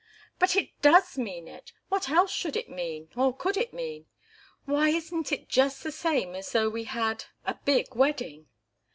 "But it does mean it. What else should it mean, or could it mean? Why isn't it just the same as though we had a big wedding?"